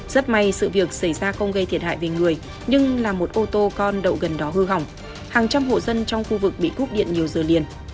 rất may sự việc xảy ra không gây thiệt hại về người nhưng là một ô tô con đậu gần đó hư hỏng hàng trăm hộ dân trong khu vực bị cúp điện nhiều giờ liền